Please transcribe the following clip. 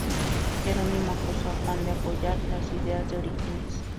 Jerónimo acusó a Juan de apoyar las ideas de Orígenes.